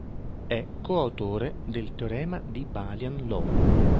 È coautore del Teorema di Balian-Low.